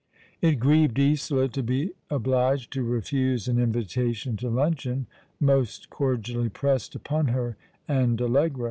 It grieved Isola to be obliged to refuse an invitation to luncheon, most cordially pressed upon her and Allegra.